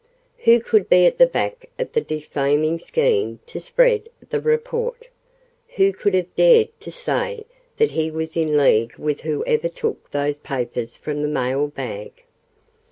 Who could be at the back of the defaming scheme to spread the report? Who could have dared to say that he was in league with whoever took those papers from the mailbag?